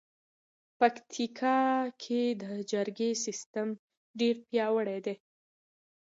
پکتیکا کې د جرګې سیستم ډېر پیاوړی دی.